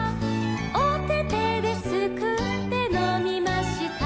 「おててですくってのみました」